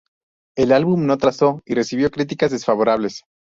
El álbum no trazó, y recibió críticas desfavorables.